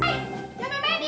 jangan main main ya